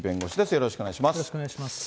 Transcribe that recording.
よろしくお願いします。